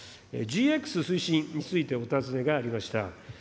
ＧＸ推進についてお尋ねがありました。